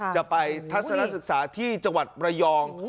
จะไปทัศนศึกษาที่จังหวัดระยอง